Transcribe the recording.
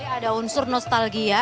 jadi ada unsur nostalgia